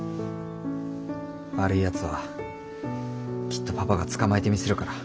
悪いやつはきっとパパが捕まえてみせるから。